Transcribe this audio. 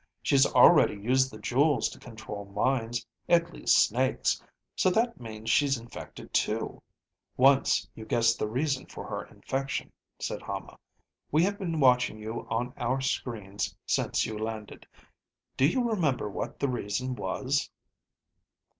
She's already used the jewels to control minds, at least Snake's, so that means she's infected, too." "Once you guessed the reason for her infection," said Hama. "We have been watching you on our screens since you landed. Do you remember what the reason was?"